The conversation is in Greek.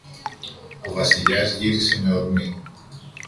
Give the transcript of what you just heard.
Ο Βασιλιάς γύρισε με ορμή.